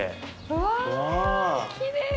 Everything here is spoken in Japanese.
うわきれい。